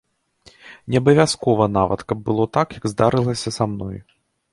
Не абавязкова нават, каб было так, як здарылася са мной.